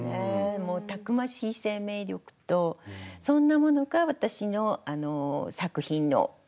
もうたくましい生命力とそんなものが私の作品の根源にもなっています。